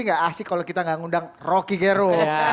enggak asik kalau kita enggak ngundang rocky gero